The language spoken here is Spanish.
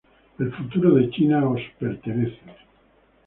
El futuro de China os pertenece".